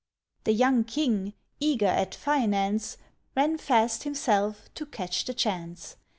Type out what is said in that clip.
The young King, eager at finance, Ran fast himself, to catch the chance.